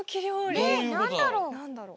ねっなんだろう？